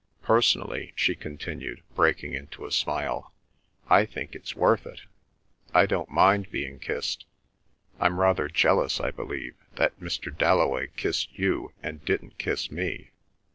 Personally," she continued, breaking into a smile, "I think it's worth it; I don't mind being kissed; I'm rather jealous, I believe, that Mr. Dalloway kissed you and didn't kiss me.